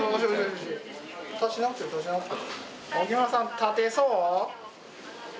立てそう？